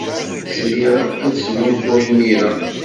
Sriɣ ad sgunfuɣ imir-a.